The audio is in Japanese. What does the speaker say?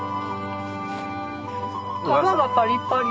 皮がパリパリ。